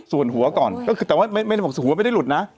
ส่วนหัวก่อนก็คือแต่ว่าไม่ได้บอกหัวไม่ได้หลุดนะ